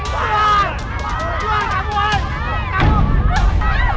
mama mau lepaskan papa